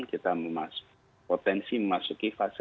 kita memasuki potensi memasuki fase